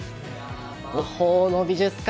「魔法の美術館」